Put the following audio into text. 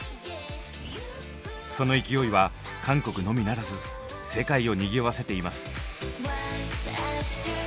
その勢いは韓国のみならず世界をにぎわせています。